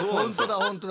本当だ